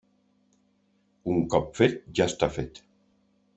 Un cop fet, ja està fet.